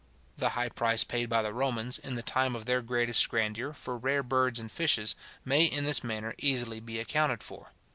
The high price paid by the Romans, in the time of their greatest grandeur, for rare birds and fishes, may in this manner easily be accounted for.